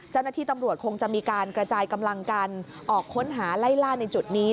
เจ้าหน้าที่ตำรวจคงจะมีการกระจายกำลังกันออกค้นหาไล่ล่าในจุดนี้